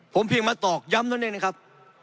ผมเพียงมาตอกย้ำนั่นเองนะครับ